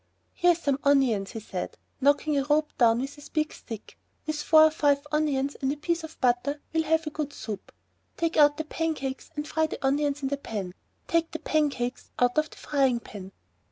"Here's some onions," he said, knocking a rope down with his big stick; "with four or five onions and a piece of butter we'll have a good soup. Take out the pancakes and fry the onions in the pan!" "Take the pancakes out of the frying pan!"